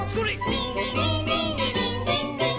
「リンリリンリンリリンリンリン」